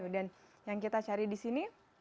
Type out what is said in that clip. dan yang kita cari disini